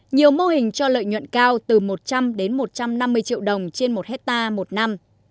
nhiều mô hình cho lợi nhuận cao từ một trăm linh đến một trăm năm mươi triệu đồng trên một hectare một năm